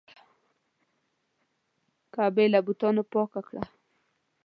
کعبه یې له بتانو پاکه کړه.